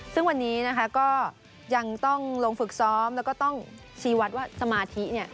ซึ่งวันนี้นะคะก็ยังต้องลงฝึกซ้อมแล้วก็ต้องชี้วัดว่าสมาธิเนี่ย